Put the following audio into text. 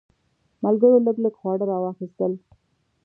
ملګرو لږ لږ خواړه راواخیستل.